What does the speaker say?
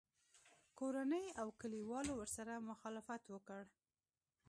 کورنۍ او کلیوالو ورسره مخالفت وکړ